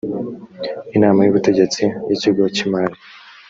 inama y ubutegetsi y ikigo cy imari